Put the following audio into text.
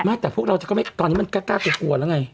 ไม่แต่ตอนนี้มันกล้ากลัวเนมันกลัวแล้วไง